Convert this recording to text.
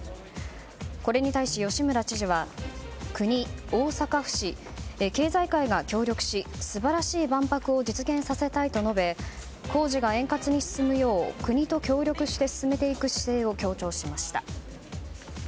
これに対し、吉村知事は国、大阪府市、経済界が協力し素晴らしい万博を実現させたいと述べ工事が円滑に進むよう国と協力して進めていく姿勢を強調しました。